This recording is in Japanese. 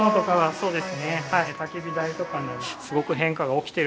そうです。